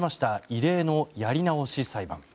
異例のやり直し裁判。